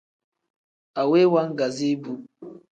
Aweyi waagazi bu.